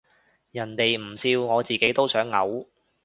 人哋唔笑我自己都想嘔